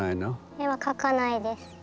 絵は描かないです。